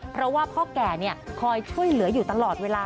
เพราะว่าพ่อแก่คอยช่วยเหลืออยู่ตลอดเวลา